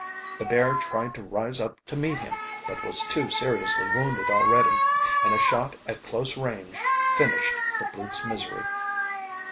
The bear tried to rise up to meet him, but was too seriously wounded already, and a shot at close range finished the brute's misery.